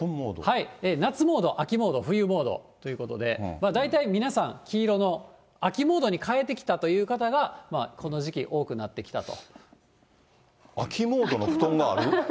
夏モード、秋モード、冬モードということで、大体皆さん、黄色の秋モードに変えてきたという方が、この時期多くなってきた秋モードの布団がある？